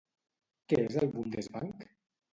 Què és el Bundesbank?